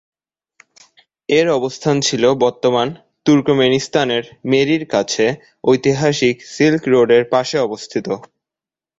এর অবস্থান ছিল বর্তমান তুর্কমেনিস্তানের মেরির কাছে ঐতিহাসিক সিল্ক রোডের পাশে অবস্থিত।